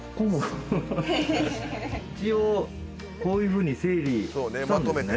一応こういうふうに整理したんですね